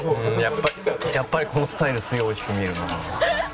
「やっぱりこのスタイルすげえ美味しく見えるな」